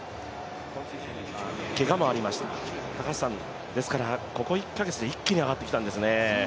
けがもありました、ですからここ１か月で一気に上がってきたんですね。